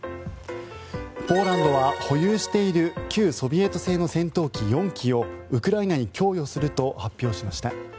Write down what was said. ポーランドは保有している旧ソビエト製の戦闘機４機をウクライナに供与すると発表しました。